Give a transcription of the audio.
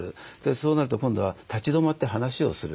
そうなると今度は立ち止まって話をする。